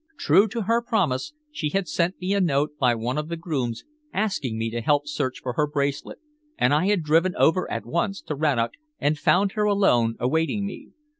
True to her promise, she had sent me a note by one of the grooms asking me to help search for her bracelet, and I had driven over at once to Rannoch and found her alone awaiting me.